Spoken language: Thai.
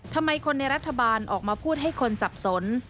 ทำไมคนในรัฐบาลออกมาพูดให้คนสับสน